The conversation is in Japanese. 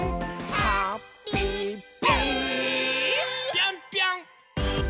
ぴょんぴょん！